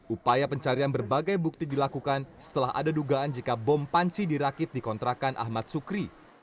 upaya pencarian berbagai bukti dilakukan setelah ada dugaan jika bom panci dirakit di kontrakan ahmad sukri